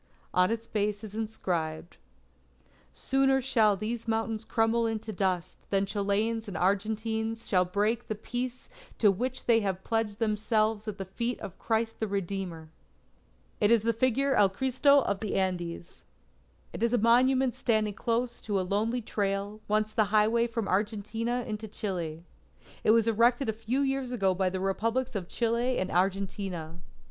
On its base is inscribed: _Sooner shall these mountains crumble into dust, than Chileans and Argentines shall break the peace to which they have pledged themselves at the feet of Christ the Redeemer._ It is the figure of El Cristo of the Andes. It is a monument standing close to a lonely trail, once the highway from Argentina into Chile. It was erected a few years ago by the Republics of Chile and Argentina.